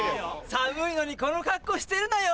寒いのにこの格好してるのよ。